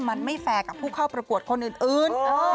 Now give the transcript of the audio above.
มันไม่แฟร์กับผู้เข้าประกวดคนอื่น